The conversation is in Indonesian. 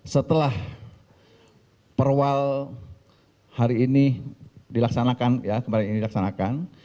setelah perwal hari ini dilaksanakan ya kemarin ini dilaksanakan